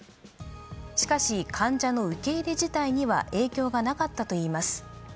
しかし、患者の受け入れ自体には影響がなかったといいます。